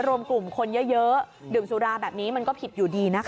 รวมกลุ่มคนเยอะดื่มสุราแบบนี้มันก็ผิดอยู่ดีนะคะ